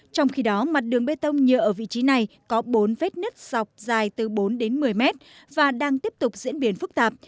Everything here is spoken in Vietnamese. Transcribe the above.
trong khi đó mặt đường bê tông nhựa ở vị trí này có bốn vết nứt dọc dài từ bốn đến một mươi mét và đang tiếp tục diễn biến phức tạp